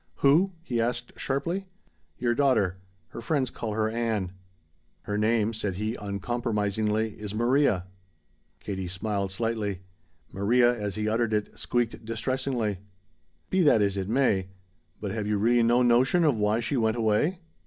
"Who?" he asked sharply. "Your daughter. Her friends call her Ann." "Her name," said he uncompromisingly, "is Maria." Katie smiled slightly. Maria, as he uttered it, squeaked distressingly. "Be that as it may. But have you really no notion of why she went away?"